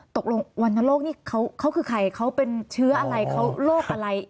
ตกลงวรรณโรคนี่เขาคือใครเขาเป็นเชื้ออะไรเขาโรคอะไร